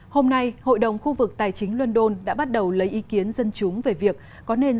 hôm nay hội đồng khu vực tài chính london đã bắt đầu lấy ý kiến dân chúng về việc có nên